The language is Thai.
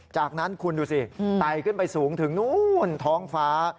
จากนั้นคุณดูสิไตขึ้นไปสูงถึงนู้นท้องฟ้า